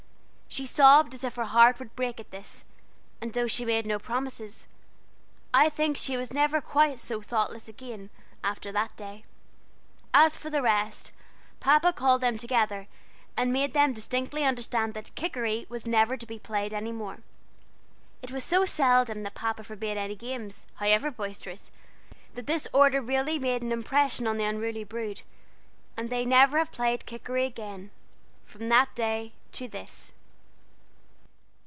She sobbed as if her heart would break at this, and though she made no promises, I think she was never quite so thoughtless again, after that day. As for the rest, Papa called them together and made them distinctly understand that "Kikeri" was never to be played any more. It was so seldom that Papa forbade any games, however boisterous, that this order really made an impression on the unruly brood, and they never have played Kikeri again, from that day to this.